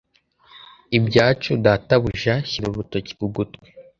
ibyacu databuja shyira urutoki ku gutwi